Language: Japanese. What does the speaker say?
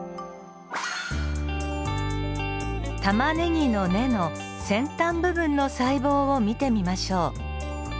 タマネギの根の先端部分の細胞を見てみましょう。